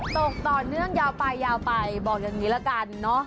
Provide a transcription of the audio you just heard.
ตกต่อเนื่องยาวไปยาวไปบอกอย่างนี้ละกันเนอะ